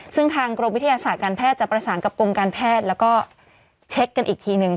ซึ่งทางกรมวิทยาศาสตร์การแพทย์จะประสานกับกรมการแพทย์แล้วก็เช็คกันอีกทีนึง